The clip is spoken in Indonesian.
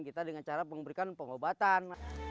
kita dengan cara memberikan pengobatan